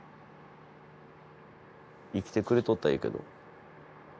生きてくれとったらええけど。